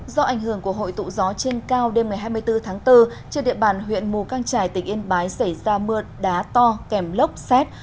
do ảnh hưởng của hội tụ gió trên cao đêm ngày hai mươi bốn tháng bốn trên địa bàn huyện mù căng trải tỉnh yên bái xảy ra mưa đá to kèm lốc xét